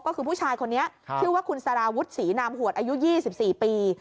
ก็คือผู้ชายคนนี้ชื่อว่าคุณสารวุฒิศรีนามหวดอายุ๒๔ปี